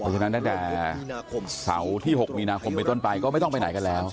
ฉะนั้นตั้งแต่เสาร์ที่๖มีนาคมไปต้นไปก็ไม่ต้องไปไหนกันแล้ว